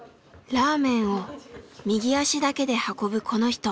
ラーメンを右足だけで運ぶこの人。